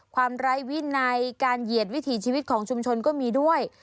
ไร้วินัยการเหยียดวิถีชีวิตของชุมชนก็มีด้วย